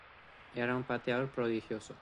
Era un pateador prodigioso.